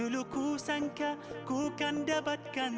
lah sendok apaan